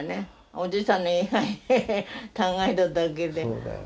おじいさんの位牌抱えただけで。